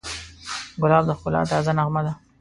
ګلاب د ښکلا تازه نغمه ده.